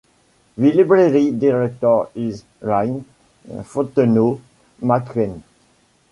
The library director is Lynne Fontenaut McCann.